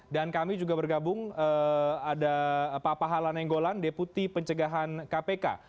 kami juga bergabung ada pak pahala nenggolan deputi pencegahan kpk